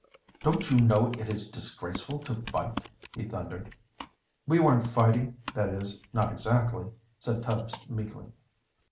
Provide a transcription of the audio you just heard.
"Don't you know it is disgraceful to fight?" he thundered. "We weren't fighting that is, not exactly," said Tubbs meekly.